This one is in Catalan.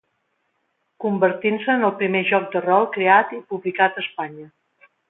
Convertint-se en el primer joc de rol creat i publicat a Espanya.